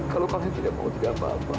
kalau kakek tidak mau tinggal bapak